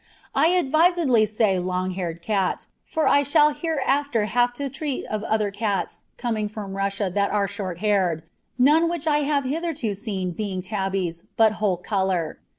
I advisedly say long haired cat, for I shall hereafter have to treat of other cats coming from Russia that are short haired, none which I have hitherto seen being tabbies, but whole colour.